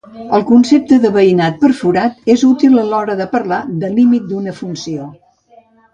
El concepte de veïnat perforat és útil a l'hora de parlar de límit d'una funció.